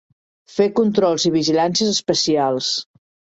Fer controls i vigilàncies especials.